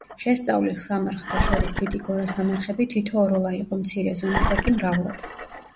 შესწავლილ სამარხთა შორის დიდი გორასამარხები თითო-ოროლა იყო, მცირე ზომისა კი მრავლად.